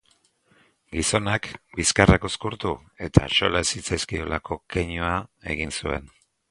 Gizonak bizkarrak uzkurtu, eta axola ez zitzaiolako keinua egin zuen.